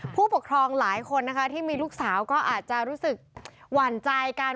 ผู้ปกครองหลายคนนะคะที่มีลูกสาวก็อาจจะรู้สึกหวั่นใจกัน